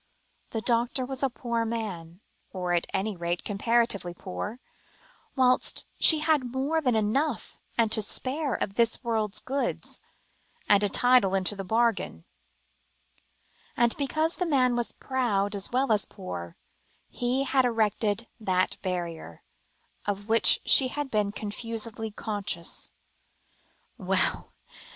The doctor was a poor man, or at any rate comparatively poor, whilst she had more than enough and to spare of this world's goods, and a title into the bargain; and because the man was proud as well as poor, he had erected that barrier, of which she had been confusedly conscious. Well!